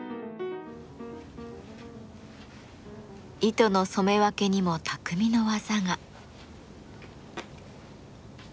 糸の染め分けにも匠の技が。